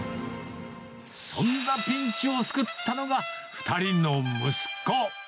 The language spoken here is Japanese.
そんなピンチを救ったのが２人の息子。